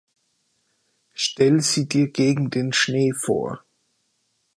Stell sie Dir gegen den Schnee vor!